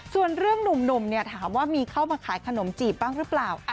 ส่วนเรื่องหนุ่มเนี่ยถามว่ามีเข้ามาขายขนมจีบบ้างหรือเปล่า